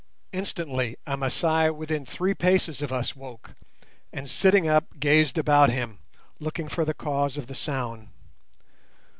Instantly a Masai within three paces of us woke, and, sitting up, gazed about him, looking for the cause of the sound.